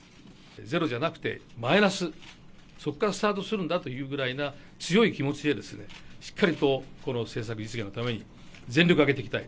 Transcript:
ゼロじゃなくてマイナス、そこからスタートするんだというぐらいな強い気持ちでしっかりとこの政策実現のために全力を挙げていきたい。